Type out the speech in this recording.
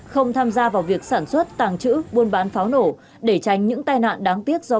không tham gia vào việc sản xuất tàng trữ buôn bán pháo nổ để tránh những tai nạn đáng tiếc do pháo gây ra trong dịp tết